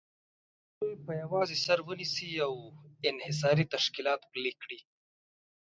کابل په یوازې سر ونیسي او انحصاري تشکیلات پلي کړي.